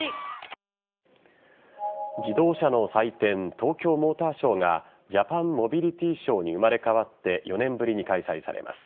東京モーターショーがジャパンモビリティショーに生まれ変わって、４年ぶりに開催されます。